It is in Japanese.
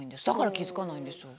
だから気付かないんです。